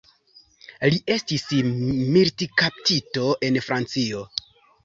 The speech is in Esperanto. Li estis militkaptito en Francio.